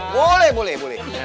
boleh boleh boleh